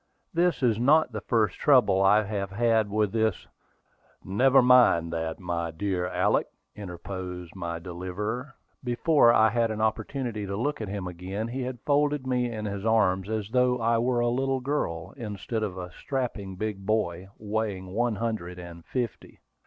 "This is not the first trouble I have had with this " "Never mind that, my dear Alick," interposed my deliverer. Before I had an opportunity to look at him again, he had folded me in his arms as though I were a little girl, instead of a strapping big boy, weighing one hundred and fifty.